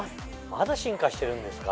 まだ進化してるんですか？